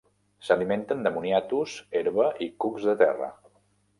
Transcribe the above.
S'alimenten de moniatos, herba i cucs de terra.